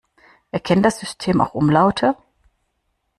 Erkennt das System auch Umlaute?